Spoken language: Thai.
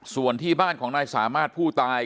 ส่วนที่บ้านของนายสามารถผู้ตาย